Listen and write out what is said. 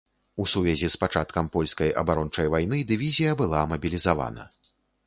У сувязі з пачаткам польскай абарончай вайны дывізія была мабілізавана.